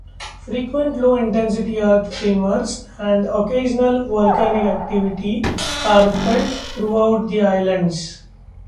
Frequent low intensity earth tremors and occasional volcanic activity are felt throughout the islands.